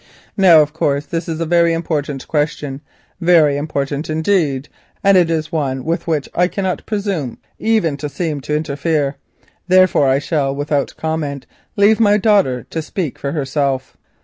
Now, of course, this is a very important question, very important indeed, and it is one with which I cannot presume even to seem to interfere. Therefore, I shall without comment leave my daughter to speak for herself."